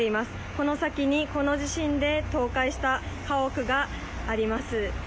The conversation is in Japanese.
この先にこの地震で倒壊した家屋があります。